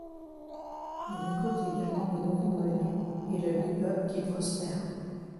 Il écoute également les nouveaux venus et le bebop qui prospère.